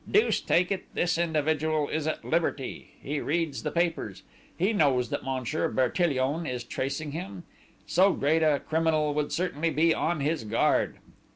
Deuce take it, this individual is at liberty: he reads the papers.... He knows that Monsieur Bertillon is tracing him!... So great a criminal would certainly be on his guard!"